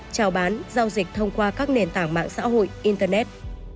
trào bán giao dịch thông qua các nền tảng mạng xã hội internet